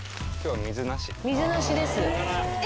水なしです。